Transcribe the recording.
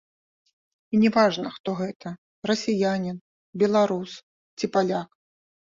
І не важна, хто гэта, расіянін, беларус ці паляк.